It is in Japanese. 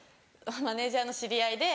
マネジャーの知り合いで。